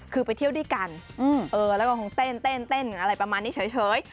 คือไปเที่ยวด้วยกันแล้วก็คงเต้นอะไรประมาณนี้เฉย